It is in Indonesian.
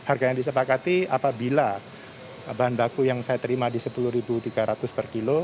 harganya disepakati apabila bahan baku yang saya terima di sepuluh tiga ratus per kilo